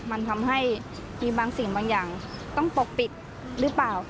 มันทำให้มีบางสิ่งบางอย่างต้องปกปิดหรือเปล่า